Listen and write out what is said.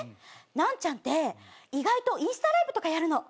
ナンチャンって意外とインスタライブとかやるの。